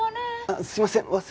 あっすみません。